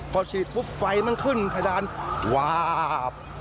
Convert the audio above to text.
พอฉีดปุ๊บไฟมันขึ้นเพดานวาบ